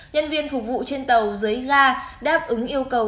nhân viên phục vụ trên tàu dưới ga đáp ứng yêu cầu